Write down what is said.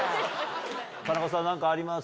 田中さん何かあります？